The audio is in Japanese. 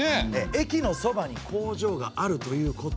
駅のそばに工場があるということは。